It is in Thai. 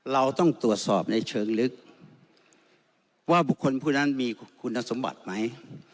เราต้องตรวจสอบในเชิงลึกว่าบุคคลผู้นั้นมีคุณสมบัติไหม